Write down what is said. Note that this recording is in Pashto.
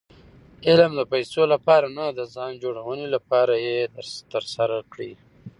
علم د پېسو له پاره نه، د ځان جوړوني له پاره ئې ترسره کړئ.